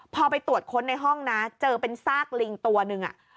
พอไปตรวจค้นในห้องนะเจอเป็นซากลิงตัวหนึ่ง